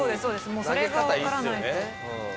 もうそれがわからないんで。